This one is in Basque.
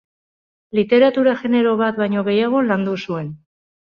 Literatura-genero bat baino gehiago landu zuen.